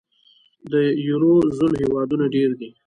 د یورو زون هېوادونه ډېر دي.